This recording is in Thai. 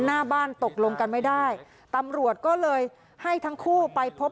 หน้าบ้านตกลงกันไม่ได้ตำรวจก็เลยให้ทั้งคู่ไปพบ